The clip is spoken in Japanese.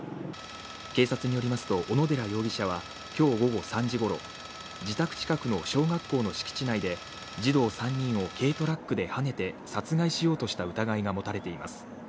警察によりますと小野寺容疑者は今日午後３時ごろ自宅近くの小学校の敷地内で児童３人を軽トラックではねて殺害しようとした疑いが持たれています。